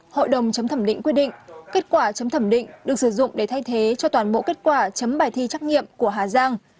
hội đồng chấm thẩm định quyết định kết quả chấm thẩm định được sử dụng để thay thế cho toàn bộ kết quả chấm bài thi trắc nghiệm của hà giang